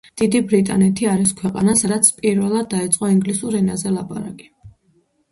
დიდი ბრიტანეთი არის ქვეყანა, სადაც პირველად დაიწყო ინგლისურ ენაზე ლაპარაკი.